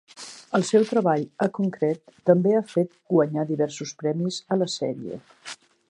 El seu treball a "Concrete" també ha fet guanyar diversos premis a la sèrie.